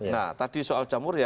nah tadi soal jamur ya